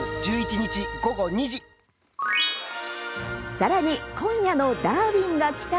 さらに、今夜の「ダーウィンが来た！」